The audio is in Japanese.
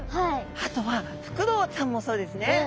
あとはフクロウさんもそうですね。